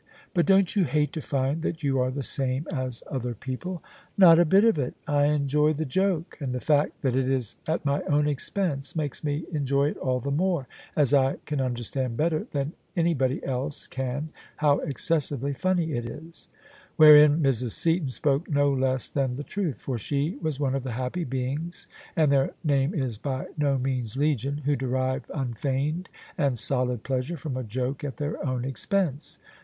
"But don't jfM hate to find that yvNi are the same » other people?" Not a hit of it: I enjo^r the joke: and the fact that it is at nijr own nprnsr makes me enjoy it all die more^ as I cam undcistand better than anybody else can how excessirrly fanny it i&" Wherein Mrs. Scaton spoke no less dian the tmth: for die was one of the happy beings — and dieir name is by no means Legion — who derive unfeigned and solid pleasure from a joke at their own expense.